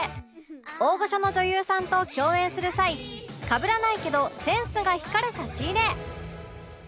大御所の女優さんと共演する際かぶらないけどセンスが光る差し入れ